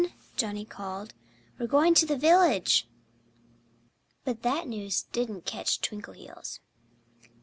Johnnie called. "We're going to the village." But that news didn't catch Twinkleheels.